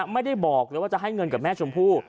ไม่ได้บอกเลยว่าจะให้เงินกับแม่ชมพู่